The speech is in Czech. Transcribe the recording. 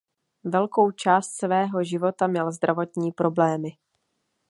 Velkou část svého života měl zdravotní problémy.